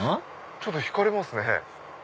ちょっと引かれますね。